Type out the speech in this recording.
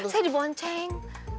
saya di bonceng